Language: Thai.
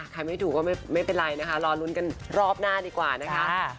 ไม่ถูกก็ไม่เป็นไรนะคะรอลุ้นกันรอบหน้าดีกว่านะคะ